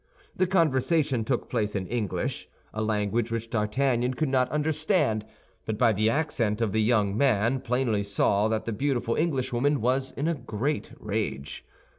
The conversation took place in English—a language which D'Artagnan could not understand; but by the accent the young man plainly saw that the beautiful Englishwoman was in a great rage.